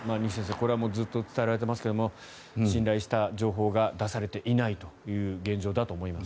これはずっと伝えられていますが信頼できる情報が出されていないという現状だと思います。